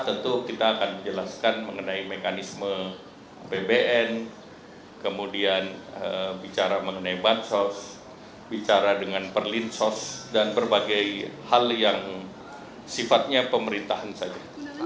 tentu kita akan menjelaskan mengenai mekanisme apbn kemudian bicara mengenai bansos bicara dengan perlinsos dan berbagai hal yang sifatnya pemerintahan saja